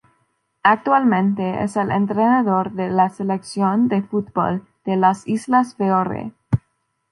Actualmente es el entrenador de la selección de fútbol de las Islas Feroe.